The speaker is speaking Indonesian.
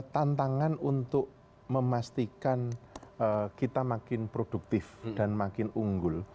tantangan untuk memastikan kita makin produktif dan makin unggul